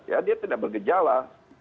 ya dia tidak bergejala